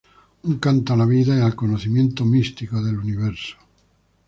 Un canto a la vida y al conocimiento místico del universo.